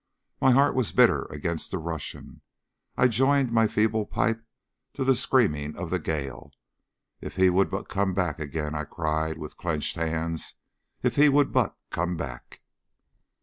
My heart was bitter against the Russian. I joined my feeble pipe to the screaming of the gale. "If he would but come back again!" I cried with clenched hands; "if he would but come back!"